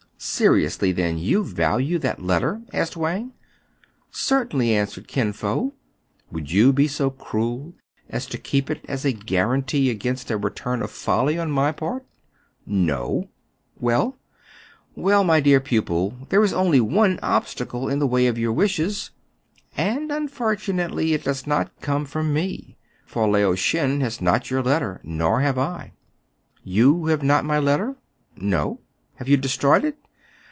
" Seriously, then, you value that letter t " asked Wang. "Certainly," answered Kin Fo. "Would' you be so cruel as to keep it as a guaranty against a return of folly on my part ?" 270 TRIBULATIONS OF A CHINA M AK. " No." « Well ?"" Well, my dear pupil, there is only one obstacle in the way of your wishes, and unfortunately' it does not come from me ; for Lao Shen has not your letter, nor have I." You have not my letter ?" "No." " Have you destroyed it